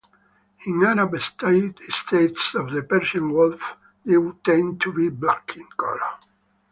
In Arab states of the Persian Gulf, they tend to be black in color.